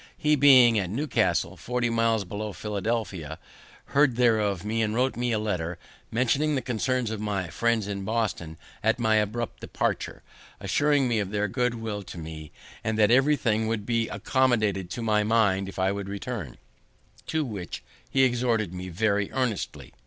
He being at Newcastle, forty miles below Philadelphia, heard there of me, and wrote me a letter mentioning the concern of my friends in Boston at my abrupt departure, assuring me of their good will to me, and that everything would be accommodated to my mind if I would return, to which he exhorted me very earnestly.